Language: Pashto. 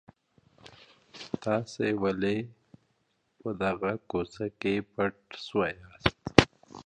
تاسي ولي په دغه کوڅې کي پټ سواست؟